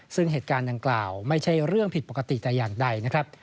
ซึ่งเหตุการณ์ดังกล่าวไม่ใช่เรื่องผิดปกติแต่อย่างใดนะครับ